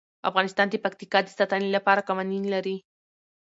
افغانستان د پکتیکا د ساتنې لپاره قوانین لري.